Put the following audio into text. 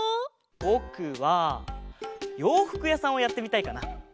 ぼくはようふくやさんをやってみたいかな。